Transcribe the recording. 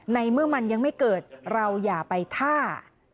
ในเมื่อมันยังไม่เกิดเราอย่าไปท่า